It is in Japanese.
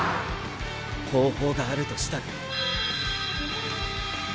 方法があるとしたら？